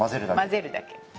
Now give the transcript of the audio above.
混ぜるだけ。